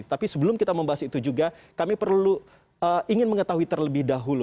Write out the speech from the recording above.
tapi sebelum kita membahas itu juga kami perlu ingin mengetahui terlebih dahulu